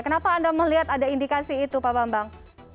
kenapa anda melihat ada indikasi itu pak bambang